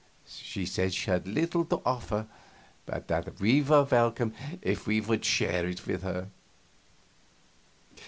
She said she had little to offer, but that we were welcome if we would share it with her.